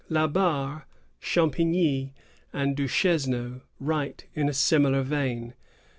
"^ La Barre, Champigny, and Duchesneau write in a similar strain.